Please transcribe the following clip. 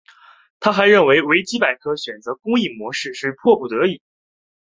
他还认为维基百科选择公益模式是迫不得已。